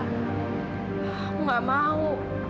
aku gak mau